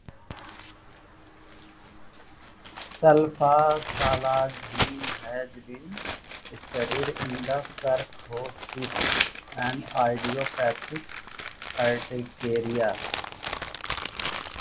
Sulfasalazine has been studied in cirrhosis and idiopathic urticaria.